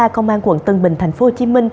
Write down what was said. công an quận tân bình tp hcm